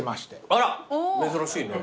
あら珍しいね。